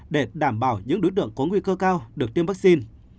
để đảm bảo những đối tượng có nguy cơ cao được tiêm vaccine